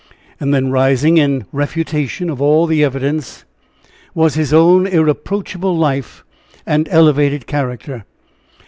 And then rising, in refutation of all this evidence, was his own irreproachable life and elevated character.